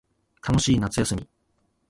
楽しい夏休み